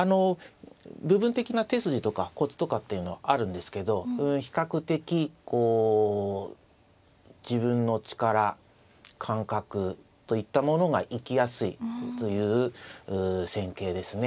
部分的な手筋とかコツとかっていうのはあるんですけど比較的こう自分の力感覚といったものが生きやすいという戦型ですね。